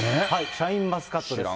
シャインマスカットです。